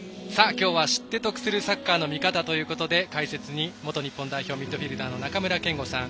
今日は「知って得するサッカーの見方」ということで解説に元日本代表ミッドフィールダーの中村憲剛さん。